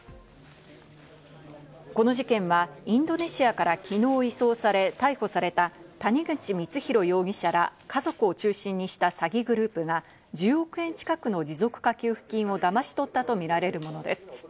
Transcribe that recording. この事件はインドネシアから昨日移送され逮捕された谷口光弘容疑者ら家族を中心にした詐欺グループが１０億円近くの持続化給付金をだまし取ったとみられるものです。